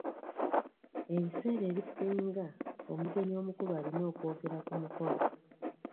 Ebiseera ebisinga, omugenyi omukulu alina okwogera ku mukolo.